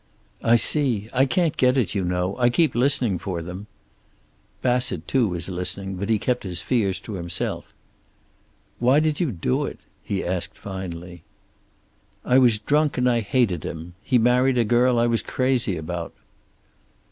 "I see. I can't get it, you know. I keep listening for them." Bassett too was listening, but he kept his fears to himself. "Why did you do it?" he asked finally. "I was drunk, and I hated him. He married a girl I was crazy about."